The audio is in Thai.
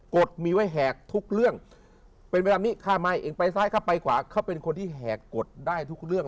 ดมีไว้แหกทุกเรื่องเป็นเวลานี้ข้าม่ายเองไปซ้ายข้าไปขวาเขาเป็นคนที่แหกกดได้ทุกเรื่อง